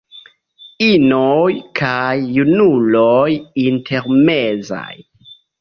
Inoj kaj junuloj intermezaj.